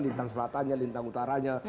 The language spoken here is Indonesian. lintang selatanya lintang utaranya